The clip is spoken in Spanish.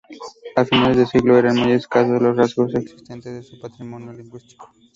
A finales de siglo, eran muy escasos los rastros existentes de su patrimonio lingüístico.